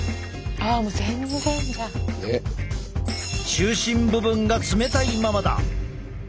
中心部分が冷たいままだ。